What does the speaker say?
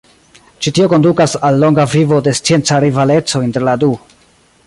Ĉi tio kondukas al longa vivo de scienca rivaleco inter la du.